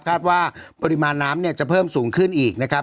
คาดว่าปริมาณน้ำเนี่ยจะเพิ่มสูงขึ้นอีกนะครับ